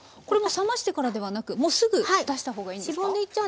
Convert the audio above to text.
これも冷ましてからではなくすぐ出した方がいいんですか？